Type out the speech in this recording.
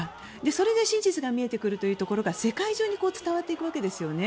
それで真実が見えてくるということが世界中に伝わっていくわけですよね。